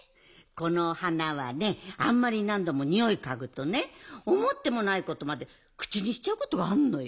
このお花はねあんまりなんどもにおいかぐとねおもってもないことまでくちにしちゃうことがあるのよ。